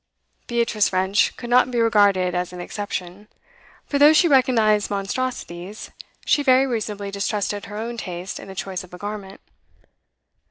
Beatrice French could not be regarded as an exception; for though she recognised monstrosities, she very reasonably distrusted her own taste in the choice of a garment.